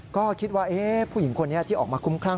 ก็คิดว่าผู้หญิงคนนี้ที่ออกมาคุ้มครั่ง